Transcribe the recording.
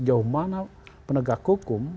sejauh mana penegak hukum